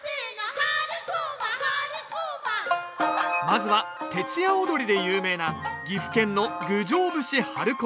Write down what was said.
まずは徹夜踊りで有名な岐阜県の「郡上節春駒」。